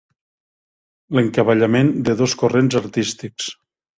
L'encavallament de dos corrents artístics.